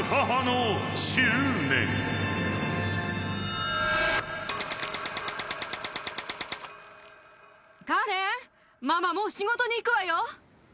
ママもう仕事に行くわよ。